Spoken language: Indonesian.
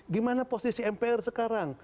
gimana posisi mpr sekarang